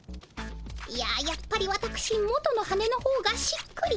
いややっぱりわたくし元の羽のほうがしっくりきますね。